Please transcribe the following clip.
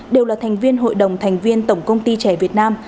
đều là thành viên hội đồng thành viên tổng công ty trẻ việt nam